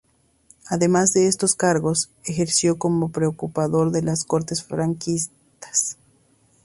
Además de estos cargos, ejerció como procurador en las Cortes franquistas.